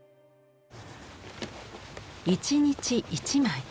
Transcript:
一日一枚。